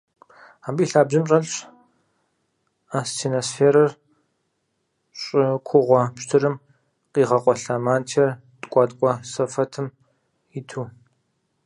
Абы и лъабжьэм щӀэлъщ астеносферэр: щӀы кугъуэ пщтырым къигъэкъуэлъа мантиер ткӀуаткӀуэ сэфэтым иту.